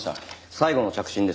最後の着信です。